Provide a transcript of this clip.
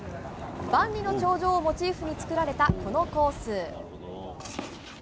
万里の長城をモチーフに作られたこのコース。